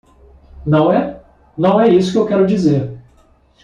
Não é?, não é isso que eu quero dizer.